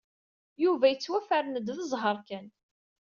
Yuba yettwafren-d d zzheṛ kan.